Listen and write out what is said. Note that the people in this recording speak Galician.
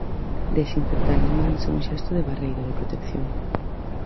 Desinfectar as mans é un xesto de barreira, de protección.